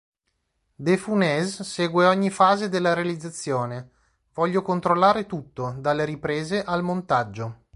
De Funès segue ogni fase della realizzazione: "Voglio controllare tutto, dalle riprese al montaggio.